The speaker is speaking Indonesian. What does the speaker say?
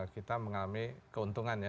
kita mengalami keuntungan ya